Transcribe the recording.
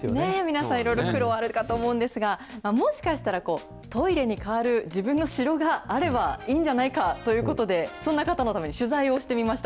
皆さん、いろいろ苦労あるかと思うんですが、もしかしたら、トイレに代わる自分の城があればいいんじゃないかということで、そんな方のために取材をしてみました。